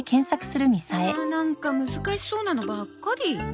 うわなんか難しそうなのばっかり。